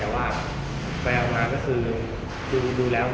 วัดดีไม่ได้ใครวัดสูง